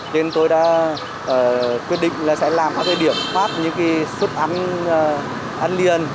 nên tôi đã quyết định là sẽ làm các cái điểm phát những cái suất ăn liền